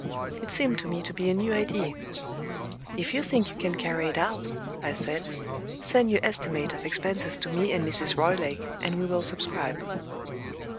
It seemed to me to be a new idea. "If you think you can carry it out," I said, "send your estimate of expenses to me and Mrs. Roylake, and we will subscribe."